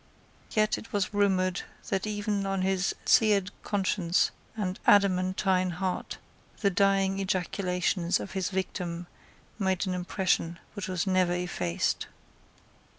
Yet it was rumoured that even on his seared conscience and adamantine heart the dying ejaculations of his victim made an impression which was never effaced.